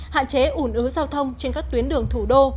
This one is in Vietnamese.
hạn chế ủn ứ giao thông trên các tuyến đường thủ đô